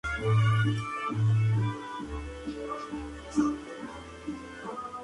Siguiendo la tradición cubista, el cuadro mezcla diversas perspectivas.